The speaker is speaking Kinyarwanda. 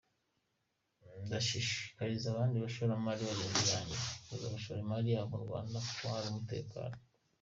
Ndashishikariza abandi bashoramari bagenzi banjye kuza gushora imari yabo mu Rwanda kuko hari umutekano.